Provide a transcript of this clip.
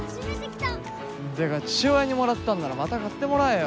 てか父親にもらったんならまた買ってもらえよ。